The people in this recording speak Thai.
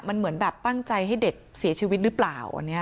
มันเหมือนแบบตั้งใจให้เด็กเสียชีวิตหรือเปล่า